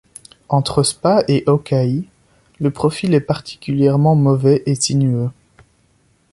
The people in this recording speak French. Entre Spa et Hockai, le profil est particulièrement mauvais et sinueux.